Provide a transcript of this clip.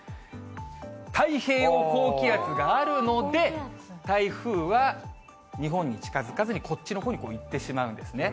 太平洋高気圧があるので、台風は日本に近づかずにこっちのほうに行ってしまうんですね。